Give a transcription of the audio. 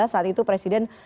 saat itu presiden